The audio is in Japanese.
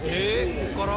ここから？